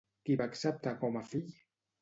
Qui va acceptar com a fill?